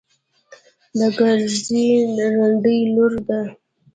د کرزي رنډۍ لور ده.